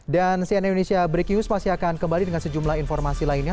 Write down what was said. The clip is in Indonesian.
dan cnn indonesia break news masih akan kembali dengan sejumlah informasi lainnya